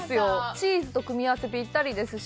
チーズと組み合わせぴったりですし。